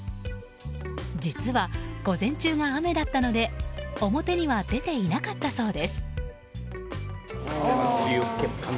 実は午前中が雨だったので表には出ていなかったそうです。